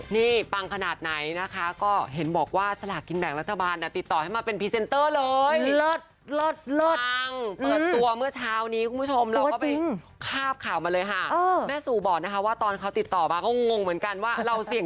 นี่ปังขนาดไหนนะคะก็เห็นบอกว่าสลากกินแบ่งรัฐบาลติดต่อให้มาเป็นพรีเซนเตอร์เลย